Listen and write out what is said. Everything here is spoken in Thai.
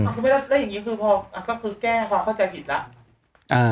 คุณแม่ได้อย่างงี้คือแก้ความเข้าใจผิดละ